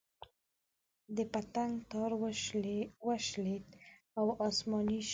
د پتنګ تار وشلېد او اسماني شو.